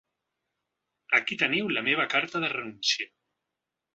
Aquí teniu la meva carta de renúncia.